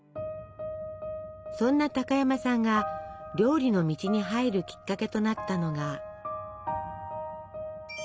そんな高山さんが料理の道に入るきっかけとなったのが。